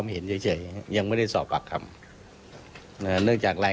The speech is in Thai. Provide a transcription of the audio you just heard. แนวโน้มก็รูปคดีก็เปลี่ยนนะครับ